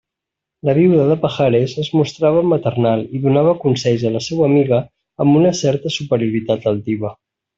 La viuda de Pajares es mostrava maternal i donava consells a la seua amiga amb una certa superioritat altiva.